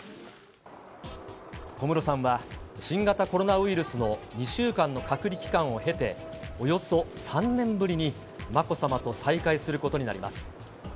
小室さんは新型コロナウイルスの２週間の隔離期間を経て、およそ３年ぶりに、まこさまと再会することになります。